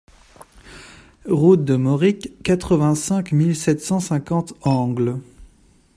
Route de Moricq, quatre-vingt-cinq mille sept cent cinquante Angles